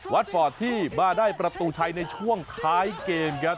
ฟอร์ตที่มาได้ประตูชัยในช่วงท้ายเกมครับ